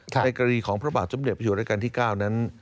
ในกรีของพระบาทจำเด็จประชุดรายการที่๙นั้น